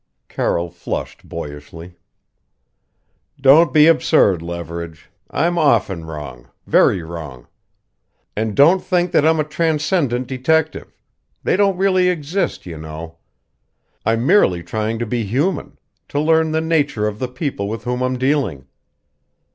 Carroll flushed boyishly. "Don't be absurd, Leverage! I'm often wrong very wrong. And don't think that I'm a transcendent detective; they don't really exist, you know. I'm merely trying to be human, to learn the nature of the people with whom I'm dealing.